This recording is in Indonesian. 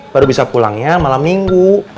baru bisa pulangnya malam minggu